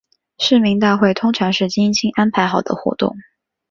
市民大会通常是精心安排好的活动。